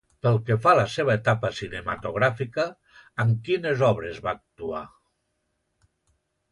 Pel que fa a la seva etapa cinematogràfica, en quines obres va actuar?